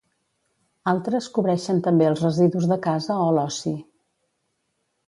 Altres cobreixen també els residus de casa o l'oci.